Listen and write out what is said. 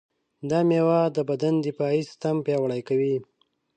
دا مېوه د بدن دفاعي سیستم پیاوړی کوي.